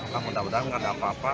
nah mudah mudahan gak ada apa apa